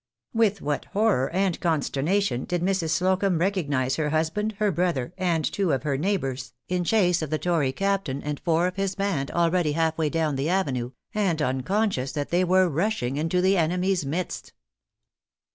With what horror and consternation did Mrs. Slocumb recognize her husband, her brother, and two of her neighbors, in chase of the tory captain and four of his band, already half way down the avenue, and unconscious that they were rushing into the enemy's midst!